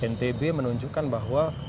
ntb menunjukkan bahwa